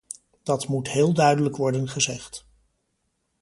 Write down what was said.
Dat moet heel duidelijk worden gezegd.